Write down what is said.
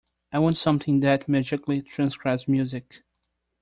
I want something that magically transcribes music.